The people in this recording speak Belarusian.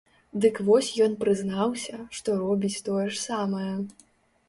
Дык вось ён прызнаўся, што робіць тое ж самае.